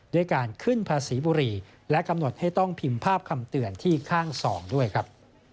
ด้วยการขึ้นภาษีบุรีและกำหนดให้ต้องพิมพ์ภาพคำเตือนที่ข้างสองด้วยครับ